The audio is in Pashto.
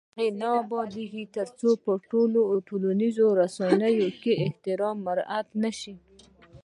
افغانستان تر هغو نه ابادیږي، ترڅو په ټولنیزو رسنیو کې احترام مراعت نشي.